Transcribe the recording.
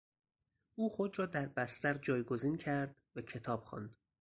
او خود را در بستر جایگزین کرد و کتاب خواند.